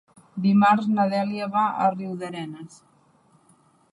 Dimarts na Dèlia va a Riudarenes.